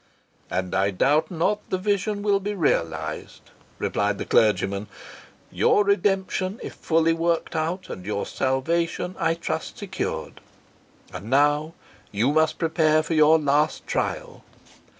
"And I doubt not the vision will be realised," replied the clergyman. "Your redemption is fully worked out, and your salvation, I trust, secured. And now you must prepare for your last trial."